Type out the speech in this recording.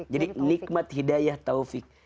jadi nikmat hidayah at taufiq